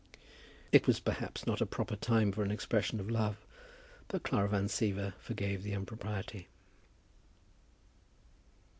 It was perhaps not a proper time for an expression of love, but Clara Van Siever forgave the impropriety.